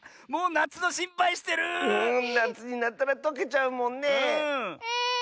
なつになったらとけちゃうもんねえ。